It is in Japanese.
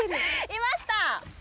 いました！